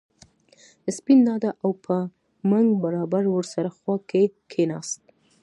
سپین دادا او په منګ برابر ور سره خوا کې کېناست.